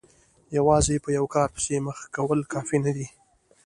یوازې په یوه کار پسې مخه کول کافي نه دي.